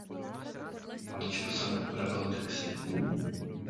Maličko jsem upravil texty.